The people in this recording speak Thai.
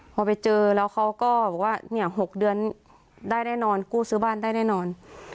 พอไปเจอแล้วเขาก็บอกว่าเนี่ย๖เดือนได้แน่นอนกู้ซื้อบ้านได้แน่นอน